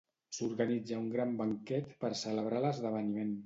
S'organitza un gran banquet per celebrar l'esdeveniment.